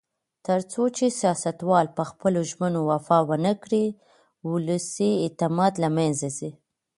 تر څو چې سیاستوال په خپلو ژمنو وفا ونکړي، ولسي اعتماد له منځه ځي.